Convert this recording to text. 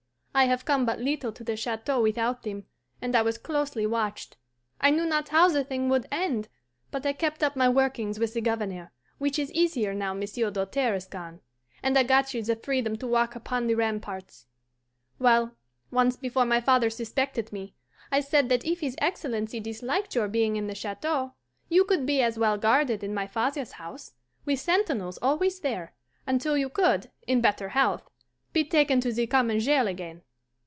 I have come but little to the chateau without them, and I was closely watched. I knew not how the thing would end, but I kept up my workings with the Governor, which is easier now Monsieur Doltaire is gone, and I got you the freedom to walk upon the ramparts. Well, once before my father suspected me, I said that if his Excellency disliked your being in the Chateau, you could be as well guarded in my father's house, with sentinels always there, until you could, in better health, be taken to the common jail again.